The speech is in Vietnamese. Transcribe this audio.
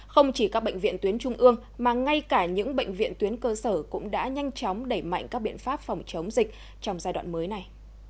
không chỉ các bệnh viện tuyến trung ương mà ngay cả những bệnh viện tuyến cơ sở cũng đã nhanh chóng đẩy mạnh các biện pháp phòng chống dịch trong giai đoạn mới này